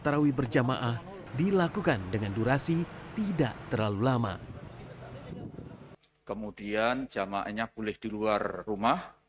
tarawih berjamaah dilakukan dengan durasi tidak terlalu lama kemudian jamaahnya boleh di luar rumah